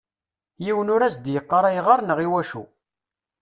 Yiwen ur as-d-yeqqar ayɣer neɣ iwacu.